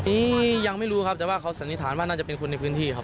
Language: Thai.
ยังไม่รู้ครับแต่ว่าเขาสันนิษฐานว่าน่าจะเป็นคนในพื้นที่ครับ